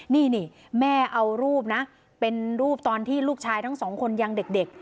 นี่แม่เอารูปนะเป็นรูปตอนที่ลูกชายทั้งสองคนยังเด็ก